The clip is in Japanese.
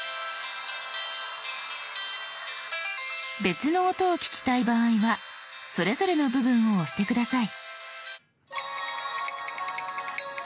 別の音を聞きたい場合はそれぞれの部分を押して下さい。」）」）